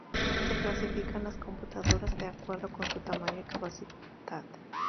Se clasifican las computadoras de acuerdo con su tamaño y capacidad.